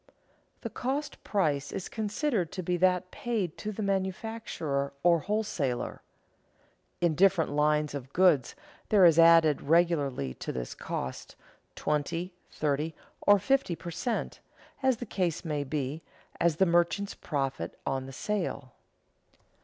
The cost price is considered to be that paid to the manufacturer or wholesaler. In different lines of goods there is added regularly to this cost twenty, thirty, or fifty per cent., as the case may be, as the merchant's profit on the sale.